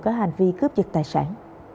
có hành vi cướp dịch tài sản